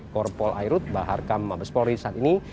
korpol airut barharkam mabes polri saat ini